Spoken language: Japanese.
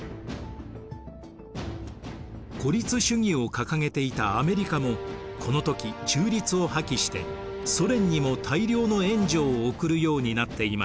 孤立主義を掲げていたアメリカもこの時中立を破棄してソ連にも大量の援助を送るようになっていました。